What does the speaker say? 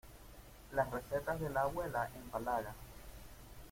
Las recetas de la abuela empalaga.